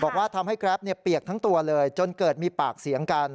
บอกว่าทำให้กรัปเนี่ยเปียกทั้งตัวเลยจนเกิดมีปากเสียงกัน